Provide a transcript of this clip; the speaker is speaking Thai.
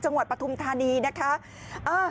จังหวัดปฑทมธานีฯนะคะ